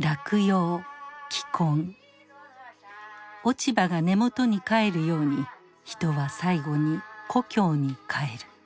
落ち葉が根元に帰るように人は最期に故郷に帰る。